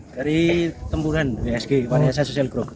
dari tempuran wsg wsg social group